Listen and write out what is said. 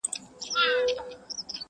د چینار سر ته یې ورسیږي غاړه!